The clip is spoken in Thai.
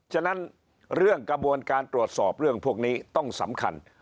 ฉะนั้นเรื่องกระบวนการตรวจสอบเรื่องพวกนี้ต้องสำคัญ